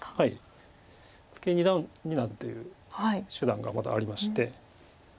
ツケ二段になるという手段がまだありまして。